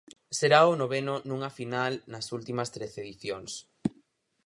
Será o noveno nunha final nas últimas trece edicións.